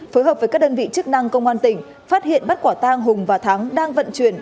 phối hợp với các đơn vị chức năng công an tỉnh phát hiện bắt quả tang hùng và thắng đang vận chuyển